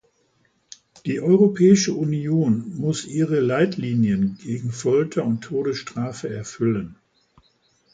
Die Europäische Union muss ihre Leitlinien gegen Folter und Todesstrafe erfüllen.